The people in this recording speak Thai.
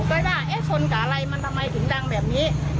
ก็เลยบ้าเอ๊ะชนกะไรมันทำไมถึงดังแบบนี้